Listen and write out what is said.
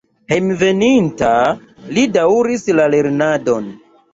Hejmenveninta li daŭris la lernadon.